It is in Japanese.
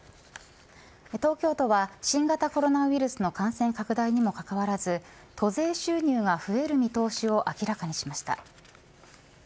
東京都は新型コロナウイルスの感染拡大にもかかわらず都税収入が増える見通しを明らかにしました。